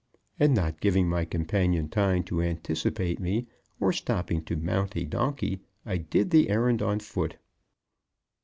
And not giving my companion time to anticipate me, or stopping to mount a donkey, I did the errand on foot.